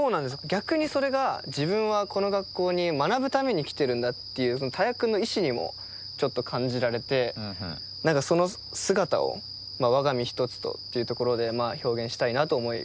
逆にそれが自分はこの学校に学ぶために来てるんだっていう田谷君の意志にもちょっと感じられて何かその姿を「我が身一つと」っていうところで表現したいなと思い